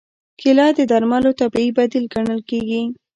کېله د درملو طبیعي بدیل ګڼل کېږي.